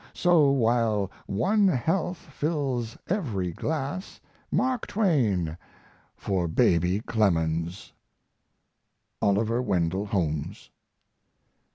So while one health fills every glass Mark Twain for Baby Clemens! OLIVER WENDELL HOLMES.